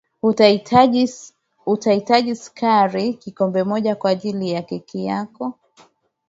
utahitaji sukari kikombe moja kwa ajili ya keki yako